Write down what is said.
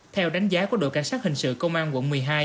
theo đánh giá của đội cảnh sát hình sự công an quận một mươi hai